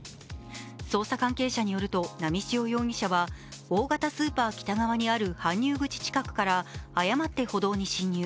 捜査関係者によると波汐容疑者は大型スーパー北側にある搬入口近くから誤って歩道に進入。